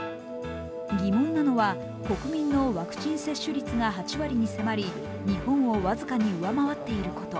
疑問なのは国民のワクチン接種率が８割に迫り日本を僅かに上回っていること。